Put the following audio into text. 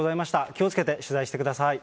気をつけて取材してください。